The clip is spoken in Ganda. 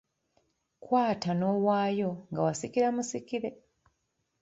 Kwata n’owaayo, nga wasikira musikire.